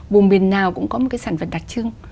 vùng miền nào cũng có một cái sản vật đặc trưng